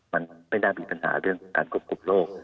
มันไม่น่ามีปัญหาเรื่องการควบคุมโรค